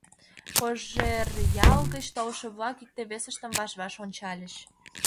Кожеръял гыч толшо-влак икте-весыштым ваш-ваш ончальыч.